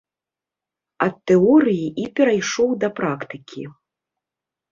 Ад тэорыі і перайшоў да практыкі.